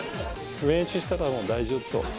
練習したらもう大丈夫。